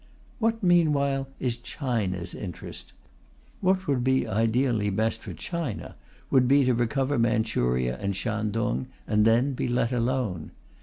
What, meanwhile, is China's interest? What would be ideally best for China would be to recover Manchuria and Shantung, and then be let alone.